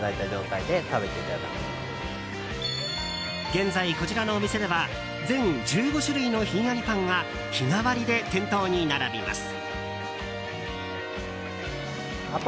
現在、こちらのお店では全１５種類の冷んやりパンが日替わりで店頭に並びます。